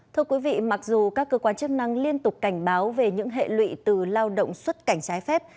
thưa quý vị mặc dù các cơ quan chức năng liên tục cảnh báo về những hệ lụy từ lao động xuất cảnh trái phép